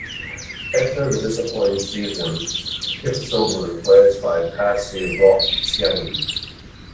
After the disappointing season, Kivisild was replaced by Pasi Rautiainen.